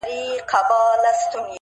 • گراني چي ستا سره خبـري كوم؛